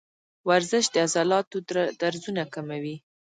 ورزش د عضلاتو درزونه کموي.